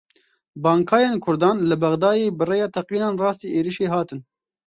Bankayên Kurdan li Bexdayê bi rêya teqînan rastî êrişê hatin.